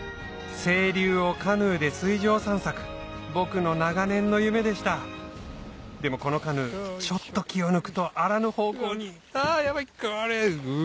清流をカヌーで水上散策僕の長年の夢でしたでもこのカヌーちょっと気を抜くとあらぬ方向にあヤバいこれ。